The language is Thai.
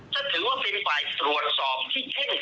จะถือว่าเป็นฝ่ายปรวจสอบที่เข้นแข็งมาก